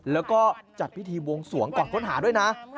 แล้วก็จัดพิธีบวงสวงก่อนค้นหาด้วยนะ